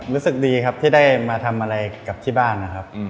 รู้สึกดีครับที่ได้มาทำอะไรกับที่บ้านนะครับ